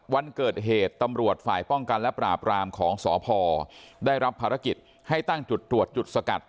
วันเกิดเหตุตำรวจฝ่ายป้องกันและปราบรามของสพได้รับภารกิจให้ตั้งจุดตรวจจุดสกัด